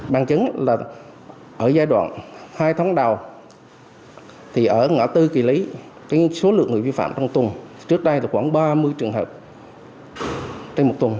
bằng chứng là ở giai đoạn hai tháng đầu thì ở ngã tư kỳ lý số lượng người vi phạm trong tuần trước đây là khoảng ba mươi trường hợp trên một tuần